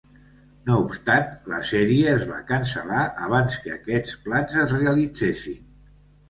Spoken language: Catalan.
No obstant, la sèrie es va cancel·lar abans que aquests plans es realitzessin.